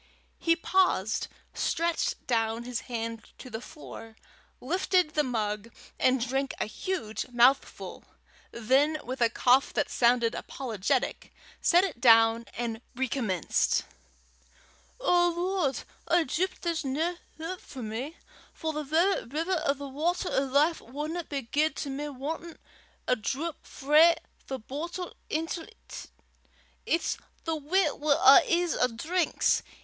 He paused, stretched down his hand to the floor, lifted the mug, and drank a huge mouthful; then with a cough that sounded apologetic, set it down, and recommenced: "O Lord, I doobt there's nae houp for me, for the verra river o' the watter o' life wadna be guid to me wantin' a drap frae the boatle intil 't. It's the w'y wi' a' his 'at drinks.